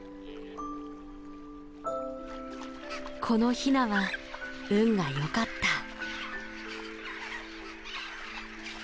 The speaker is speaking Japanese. このヒナは運が良かった。